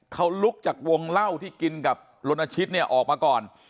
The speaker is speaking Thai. เขาลุกจากวงเหล้าที่กินกับโรนชิสฯออกมาก่อน